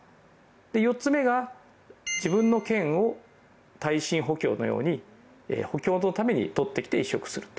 ４つ目が、自分の腱を耐震補強のように補強のためにとってきて移植すると。